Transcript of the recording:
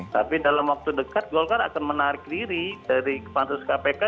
tapi dalam waktu dekat golkar akan menarik diri dari pansus kpk